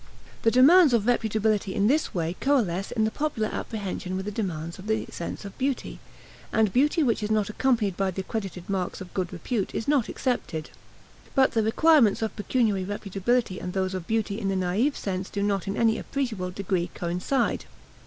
The demands of reputability in this way coalesce in the popular apprehension with the demands of the sense of beauty, and beauty which is not accompanied by the accredited marks of good repute is not accepted. But the requirements of pecuniary reputability and those of beauty in the naive sense do not in any appreciable degree coincide.